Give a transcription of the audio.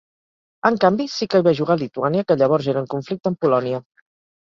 En canvi, sí que hi va jugar Lituània, que llavors era en conflicte amb Polònia.